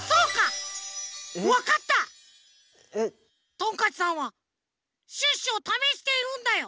トンカチさんはシュッシュをためしているんだよ。